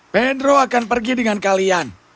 pendro akan pergi dengan kalian